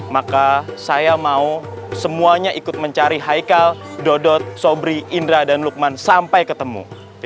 maka saya mau semuanya ikut mencari haikal dodot sobri indra dan lukman sampai ketemu